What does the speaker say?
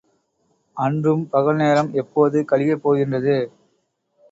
அன்றும் பகல் நேரம் எப்போது கழியப் போகின்றது?